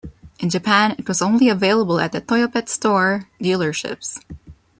In Japan, it was only available at the "Toyopet Store" dealerships.